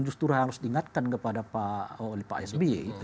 menurut saya harus diingatkan kepada pak sby